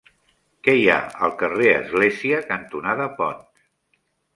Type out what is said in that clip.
Què hi ha al carrer Església cantonada Ponts?